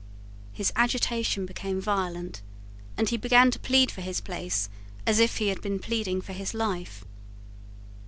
His agitation became violent, and he began to plead for his place as if he had been pleading for his life.